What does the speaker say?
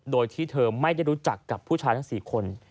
โดยที่เธอไม่ได้รู้จักกับผู้ชายทั้ง๔คน